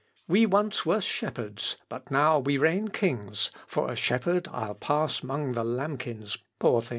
We once were shepherds, but now we reign kings, For a shepherd I'll pass 'mong the lambkins poor things....